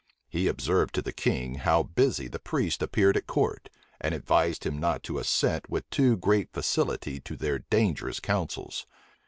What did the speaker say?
He observed to the king how busy the priests appeared at court, and advised him not to assent with too great facility to their dangerous counsels.